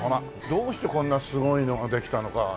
どうしてこんなすごいのができたのか。